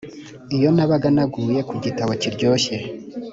iyo nabaga naguye ku gitabo kiryoshye